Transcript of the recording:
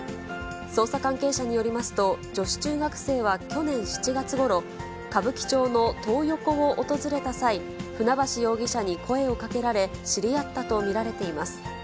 捜査関係者によりますと、女子中学生は去年７月ごろ、歌舞伎町のトー横を訪れた際、船橋容疑者に声をかけられ、知り合ったと見られています。